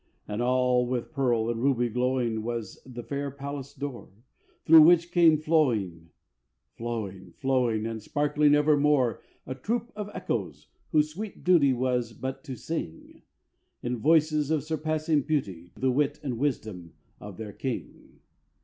And all with pearl and ruby glowing Was the fair palace door, Through which came flowing, flowing, flowing, And sparkling evermore, A troop of Echoes, whose sweet duty Was but to sing, In voices of surpassing beauty, The wit and wisdom of their king.